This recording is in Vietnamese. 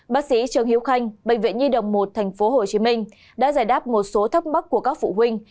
bác sĩ trương hiếu khanh bệnh viện nhi đồng một tp hcm đã giải đáp một số thắc mắc của các phụ huynh